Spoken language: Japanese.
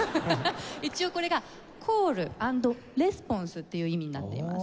一応これが「コール」＆「レスポンス」っていう意味になっています。